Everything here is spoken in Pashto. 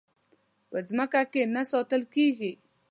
په ځمکه کې نه ساتل کېږي.